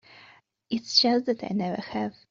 It's just that I never have.